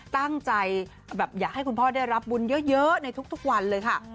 ตั้งใจแบบอยากให้คุณพ่อได้รับบุญเยอะในทุกวันเลยค่ะ